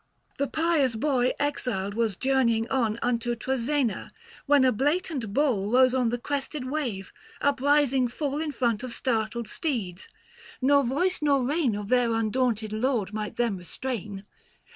The pious boy exiled was journeying on Unto Troezena, when a blatant bull 890 Kose on the crested wave, uprising full In front of startled steeds ; nor voice nor rein Of their undaunted lord might them restrain.